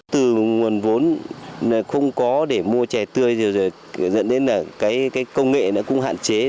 từ nguồn vốn không có để mua trẻ tươi rồi dẫn đến là cái công nghệ cũng hạn chế